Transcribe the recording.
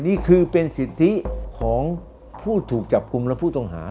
นี่คือเป็นสิทธิของผู้ถูกจับกลุ่มและผู้ต้องหา